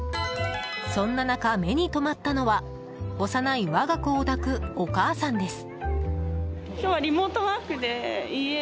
そんな中、目に留まったのは幼い我が子を抱くお母さんです。